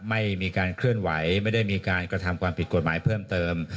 ไม่มีการเคลื่อนไหวไม่ได้มีการกระทำความผิดกฎหมายเพิ่มเติม